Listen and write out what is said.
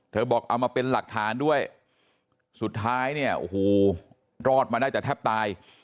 บอกเอามาเป็นหลักฐานด้วยสุดท้ายเนี่ยโอ้โหรอดมาได้แต่แทบตาย